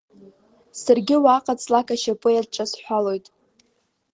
Саргьы уаҟа ҵлак ашьапы иадҿасҳәалоит.